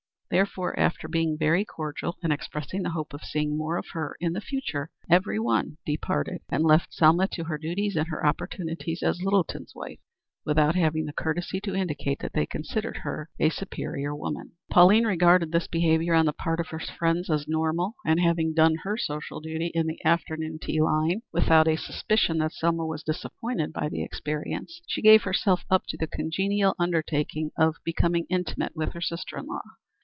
Therefore after being very cordial and expressing the hope of seeing more of her in the future, every one departed and left Selma to her duties and her opportunities as Littleton's wife, without having the courtesy to indicate that they considered her a superior woman. Pauline regarded this behavior on the part of her friends as normal, and having done her social duty in the afternoon tea line, without a suspicion that Selma was disappointed by the experience, she gave herself up to the congenial undertaking of becoming intimate with her sister in law.